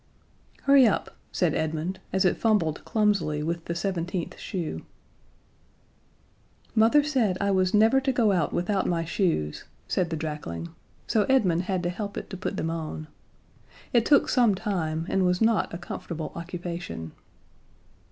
"Hurry up," said Edmund, as it fumbled clumsily with the seventeenth shoe. "Mother said I was never to go out without my shoes," said the drakling; so Edmund had to help it to put them on. It took some time, and was not a comfortable occupation.